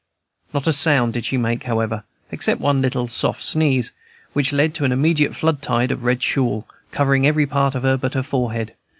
Not a sound did she make, however, except one little soft sneeze, which led to an immediate flood tide of red shawl, covering every part of her but the forehead.